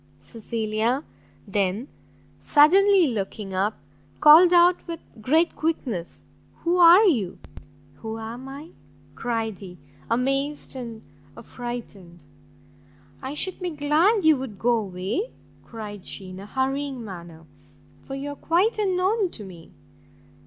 Cecilia then, suddenly looking up, called out with great quickness, "Who are you?" "Who am I!" cried he, amazed and affrighted. "I should be glad you would go away," cried she, in a hurrying manner, "for you are quite unknown to me."